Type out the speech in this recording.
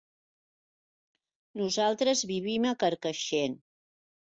Nosaltres vivim a Carcaixent.